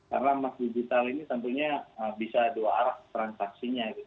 karena emas digital ini tentunya bisa dua arah transaksinya